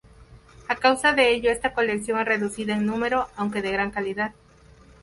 A causa de ello esta colección es reducida en número, aunque de gran calidad.